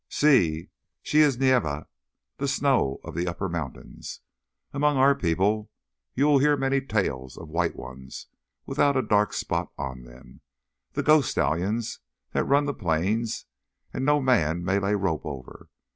"Sí. She is Nieve—the snow of the upper mountains. Among our people you will hear many tales of white ones, without a dark spot on them—the Ghost Stallions that run the plains and no man may lay rope over.